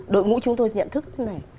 đội ngũ chúng tôi nhận thức thế này